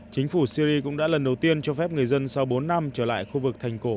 chính phủ syri cũng đã lần đầu tiên cho phép người dân sau bốn năm trở lại khu vực thành cổ